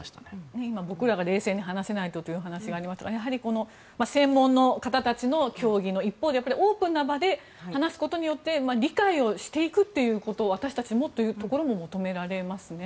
今、僕らが冷静に話せないとという話がありましたがやはり専門の方たちの協議の一方でオープンな場で話すことで理解をしていくことを私たちもというところも求められますね。